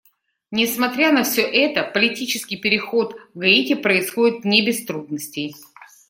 Несмотря на все это, политический переход в Гаити происходит не без трудностей.